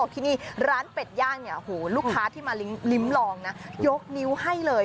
ที่นี่ร้านเป็ดย่างเนี่ยโอ้โหลูกค้าที่มาลิ้มลองนะยกนิ้วให้เลย